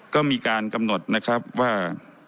ก็มีการกำหนดนะครับว่า